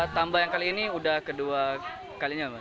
tambah yang kali ini udah kedua kalinya